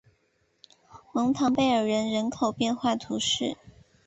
蒙唐贝尔人口变化图示